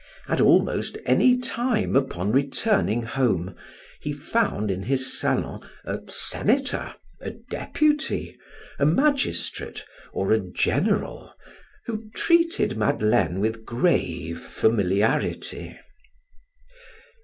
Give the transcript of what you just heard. At almost any time upon returning home he found in his salon a senator, a deputy, a magistrate, or a general, who treated Madeleine with grave familiarity.